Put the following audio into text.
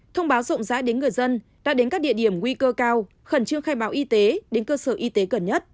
thông báo rộng rãi đến người dân đã đến các địa điểm nguy cơ cao khẩn trương khai báo y tế đến cơ sở y tế gần nhất